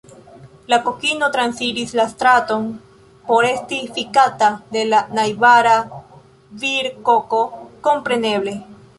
La kokino transiris la straton por esti fikata de la najbara virkoko, kompreneble.